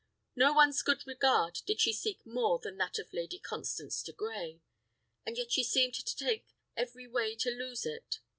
No one's good regard did she seek more than that of Lady Constance de Grey; and yet she seemed to take every way to lose it.